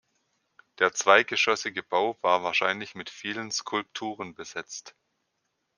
Der zweigeschossige Bau war wahrscheinlich mit vielen Skulpturen besetzt.